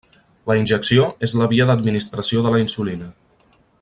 La injecció és la via d'administració de la insulina.